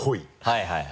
はいはい。